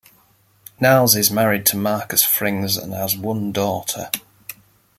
Nahles is married to Marcus Frings and has one daughter.